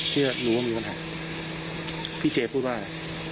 เพื่อรู้ว่ามีปัญหาพี่เจพูดว่าอะไร